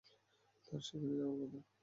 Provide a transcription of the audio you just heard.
তার সেখানেই যাওয়ার কথা।